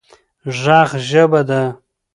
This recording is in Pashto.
ږغ ژبه ده